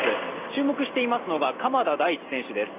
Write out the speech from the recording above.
注目していますのが鎌田大地選手です。